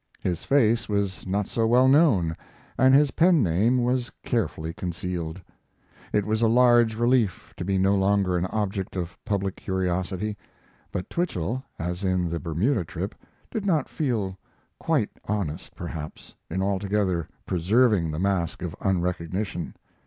His face was not so well known and his pen name was carefully concealed. It was a large relief to be no longer an object of public curiosity; but Twichell, as in the Bermuda trip, did not feel quite honest, perhaps, in altogether preserving the mask of unrecognition.